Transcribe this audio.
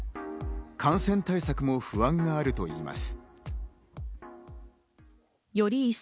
感染対策も不安があるといいます。